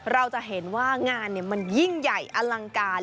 เราจะเห็นว่างานมันยิ่งใหญ่อลังการ